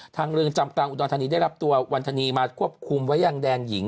เรือนจำกลางอุดรธานีได้รับตัววันธนีมาควบคุมไว้ยังแดนหญิง